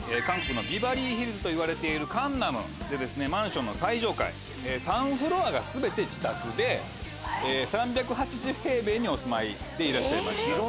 韓国のビバリーヒルズといわれているカンナムでマンションの最上階３フロアが全て自宅で３８０平米にお住まいでいらっしゃいました。